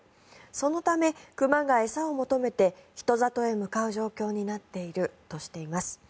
そのため、熊が餌を求めて人里へ向かう状況になっているとしています。